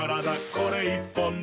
これ１本で」